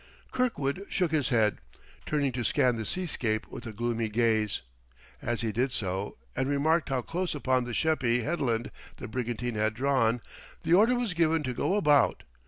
Kirkwood shook his head, turning to scan the seascape with a gloomy gaze. As he did so, and remarked how close upon the Sheppey headland the brigantine had drawn, the order was given to go about.